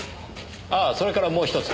ああそれからもう１つ。